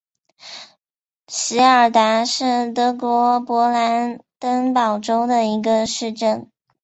席尔达是德国勃兰登堡州的一个市镇。